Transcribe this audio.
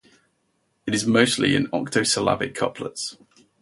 It is mostly in octosyllabic couplets.